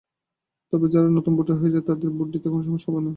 তবে যারা নতুন ভোটার হয়েছে তাদের ভোট দিতে কোন সমস্যা হবে না।